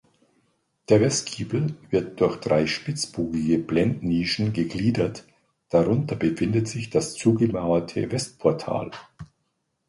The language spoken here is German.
Der Westgiebel wird durch drei spitzbogige Blendnischen gegliedert, darunter befindet sich das zugemauerte Westportal.